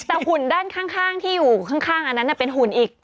แต่หุ่นด้านข้างที่อยู่ข้างอันนั้นเป็นหุ่นอีก